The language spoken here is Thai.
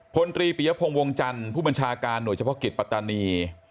พลตรีปียพงศ์วงจันทร์ผู้บัญชาการหน่วยเฉพาะกิจปัตตานี